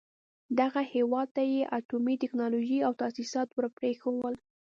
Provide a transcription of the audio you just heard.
دغه هېواد ته يې اټومي ټکنالوژۍ او تاسيسات ور پرېښول.